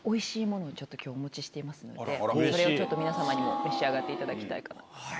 今日お持ちしていますのでそれを皆様にも召し上がっていただきたいかなと。